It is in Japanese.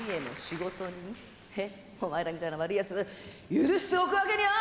お前らみたいな悪いやつ許しておくわけにはいかねえんだよ！